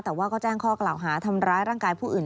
แต่ว่าก็แจ้งข้อกล่าวหาทำร้ายร่างกายผู้อื่น